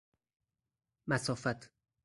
مسافت